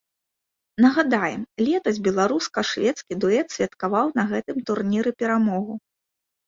Нагадаем, летась беларуска-шведскі дуэт святкаваў на гэтым турніры перамогу.